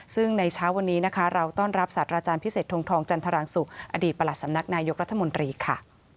ซึ่งในเช้าวันนี้นะคะเราต้อนรับศาสตราจารย์พิเศษทงทองจันทรังสุขอดีตประหลัดสำนักนายกรัฐมนตรีค่ะ